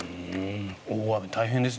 大雨、大変です。